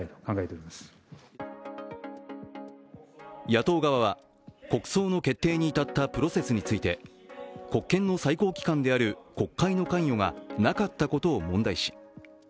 野党側は、国葬の決定に至ったプロセスについて国権の最高機関である国会の関与がなかったことを問題視。